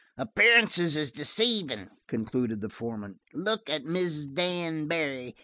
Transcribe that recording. "Appearances is deceivin'" concluded the foreman. "Look at Mrs. Dan Barry.